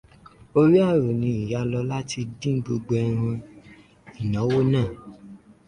Orí ààrò ni Ìyá Lọlá ti dín gbogbo ẹran ìnáwó náà.